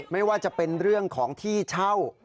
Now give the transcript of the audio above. ไม่ว่าจะเป็นเรื่องของที่เช่า